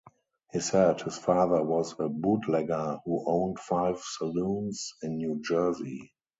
He said his father was a bootlegger who owned five saloons in New Jersey.